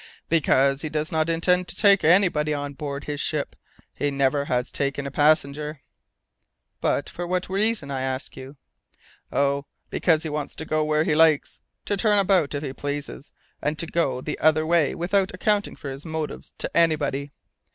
"Because he does not intend to take anybody on board his ship. He never has taken a passenger." "But, for what reason, I ask you." "Oh! because he wants to go where he likes, to turn about if he pleases and go the other way without accounting for his motives to anybody.